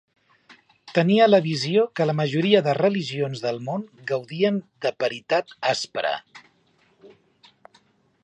Tenia la visió que la majoria de religions del món gaudien de "paritat aspra".